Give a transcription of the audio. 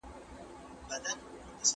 ايډيالوژيک تاريخ کله ناکله زيان رسوي.